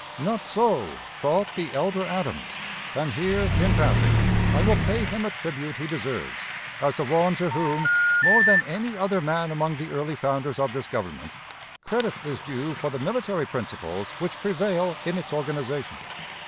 Not so thought the elder Adams; and here, in passing, I will pay him a tribute he deserves, as the one to whom, more than any other man among the early founders of this Government, credit is due for the military principles which prevail in its organization.